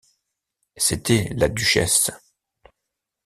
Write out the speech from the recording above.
C’était la duchesse.